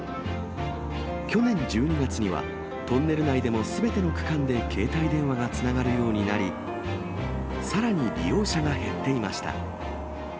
去年１２月には、トンネル内でもすべての区間で携帯電話がつながるようになり、さらに利用者が減っていました。